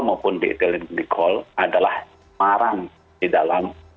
maupun di ethylene glycol adalah maram di dalam